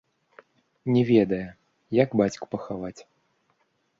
Не ведае, як бацьку пахаваць.